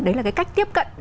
đấy là cái cách tiếp cận